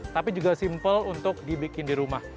tapi juga simple untuk dibikin di rumah